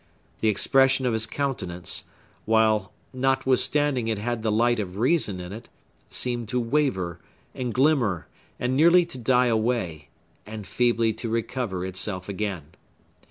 The expression of his countenance—while, notwithstanding it had the light of reason in it—seemed to waver, and glimmer, and nearly to die away, and feebly to recover itself again.